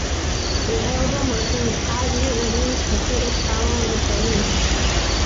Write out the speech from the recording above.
The album received positive reviews from critics following its release.